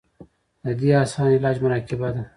د دې اسان علاج مراقبه دے -